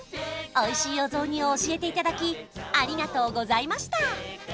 美味しいお雑煮を教えていただきありがとうございました！